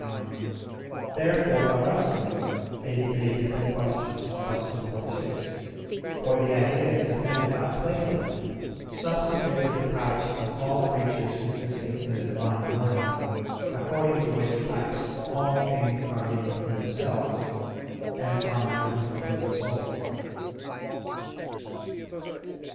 xi); therefore Augustine (QQ. 83, qu. 46), for the ideas defended by Plato, substituted the types of all creatures existing in the Divine mind, according to which types all things are made in themselves, and are known to the human soul.